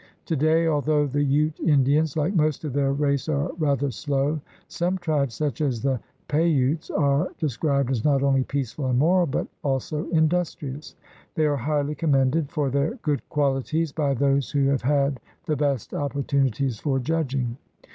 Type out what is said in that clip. Today, al though the Ute Indians, like most of their race, are rather slow, some tribes, such as the Payutes, are described as not only "peaceful and moral," but also "industrious." They are highly commended for their good qualities by those who have had the best opportunities for judging.